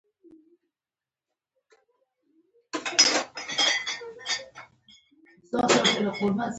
منی د افغانستان د اجتماعي جوړښت برخه ده.